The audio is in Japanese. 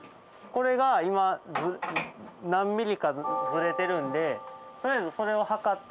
これが今何ミリかズレてるんでとりあえずそれを測って。